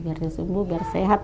biar dia sembuh biar sehat